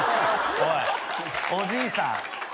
おいおじいさん。